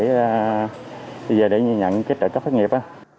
đi về để nhận cái trợ cấp phát nghiệp